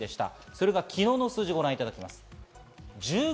それが昨日の数字をご覧いただきます。